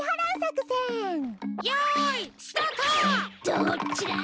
どっちだ！